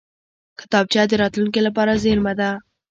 کتابچه د راتلونکې لپاره زېرمه ده